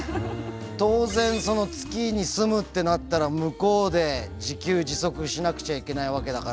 当然月に住むってなったら向こうで自給自足しなくちゃいけないわけだから。